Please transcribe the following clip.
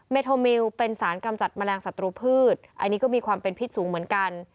โทมิลเป็นสารกำจัดแมลงศัตรูพืชอันนี้ก็มีความเป็นพิษสูงเหมือนกัน